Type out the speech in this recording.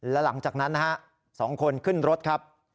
แล้วหลังจากนั้นนะฮะ๒คนขึ้นรถครับ